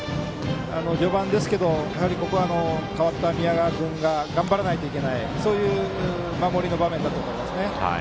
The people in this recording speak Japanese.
序盤ですけど、ここは代わった宮川君が頑張らないといけない守りの場面だと思います。